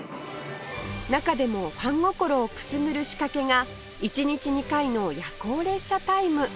中でもファン心をくすぐる仕掛けが１日２回の夜行列車タイム